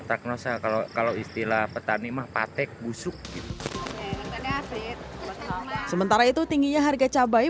diagnosa kalau kalau istilah petani mah patik busuk gitu sementara itu tingginya harga cabai